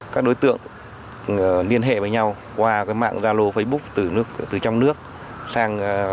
các đối tượng liên hệ với nhau qua mạng gia lô facebook từ trong nước sang